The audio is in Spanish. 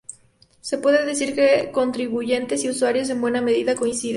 Se puede decir que contribuyentes y usuarios en buena medida coinciden.